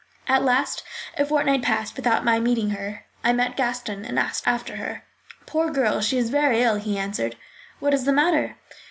At last a fortnight passed without my meeting her. I met Gaston and asked after her. "Poor girl, she is very ill," he answered. "What is the matter?"